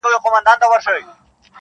په ځنگله كي سو دا يو سل سرى پاته-